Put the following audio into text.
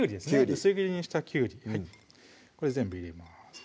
薄切りにしたきゅうりこれ全部入れます